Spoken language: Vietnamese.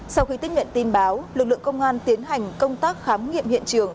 sau khi tiếp nhận tin báo lực lượng công an tiến hành công tác khám nghiệm hiện trường